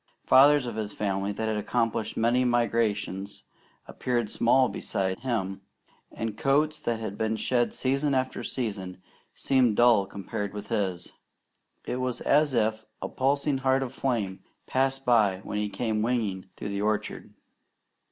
Fathers of his family that had accomplished many migrations appeared small beside him, and coats that had been shed season after season seemed dull compared with his. It was as if a pulsing heart of flame passed by when he came winging through the orchard.